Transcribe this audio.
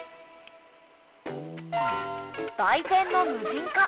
売店の無人化。